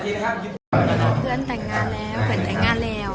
คืนต่างงานแล้ว